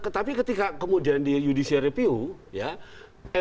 tapi ketika kemudian di judisial review